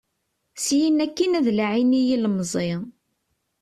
Syin akkin ad laɛin i yilemẓi.